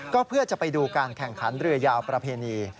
ก็เพื่อจะไปดูการแข่งขันเรือยาวประเพณี